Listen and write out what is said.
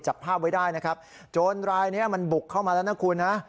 จับภาพไว้ได้นะครับโจรรายนี้มันบุกเข้ามาแล้วนะคุณนะ